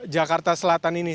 jakarta selatan ini